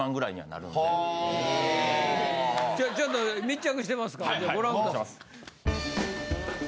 ・はぁ・じゃあちょっと密着してますからご覧ください。